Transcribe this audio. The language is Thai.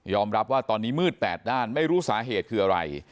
รับว่าตอนนี้มืดแปดด้านไม่รู้สาเหตุคืออะไร